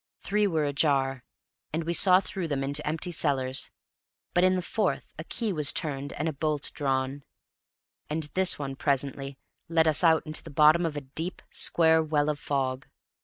Three were ajar, and we saw through them into empty cellars; but in the fourth a key was turned and a bolt drawn; and this one presently let us out into the bottom of a deep, square well of fog.